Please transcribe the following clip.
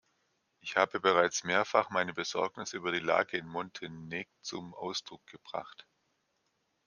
Ich habe bereits mehrfach meine Besorgnis über die Lage in Montenegzum Ausdruck gebracht.